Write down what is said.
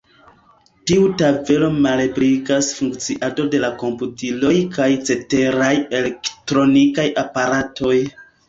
Tiu tavolo malebligas funkciado de la komputiloj kaj ceteraj elektronikaj aparatoj.